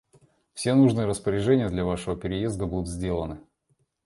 Все нужные распоряжения для вашего переезда будут сделаны.